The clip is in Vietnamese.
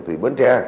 thì bến tre